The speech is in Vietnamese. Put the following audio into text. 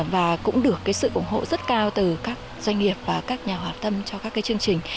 và cũng được sự ủng hộ rất cao từ các doanh nghiệp và các nhà hoạt tâm cho các cái chương trình